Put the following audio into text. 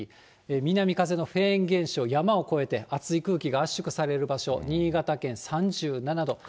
南風のフェーン現象、山を越えてあつい空気が圧縮される場所、新潟県３７度。